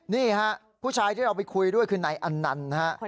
นี่ฮะผู้ชายที่เราไปคุยด้วยคือนายอันนันต์นะฮะ